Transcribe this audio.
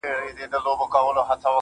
نور درته نه وايم نفس راپسې وبه ژاړې~